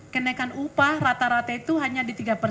kenaikan upah rata rata itu hanya di tiga persen